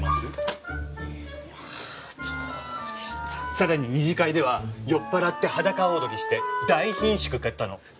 さらに二次会では酔っぱらって裸踊りして大ひんしゅく買ったの。